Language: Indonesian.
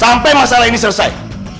sampai masalah ini selesai